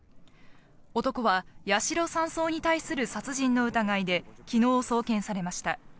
男は八代３曹に対する殺人の疑いできのう送検されました。